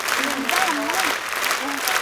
তিনি জলযান নির্মাণশিল্পের উন্নতিতে অবদান রেখেছেন।